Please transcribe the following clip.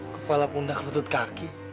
kepala pundak rutut kaki